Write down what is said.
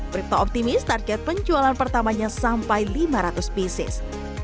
brikto optimis target penjualan pertamanya sampai lima ratus pieces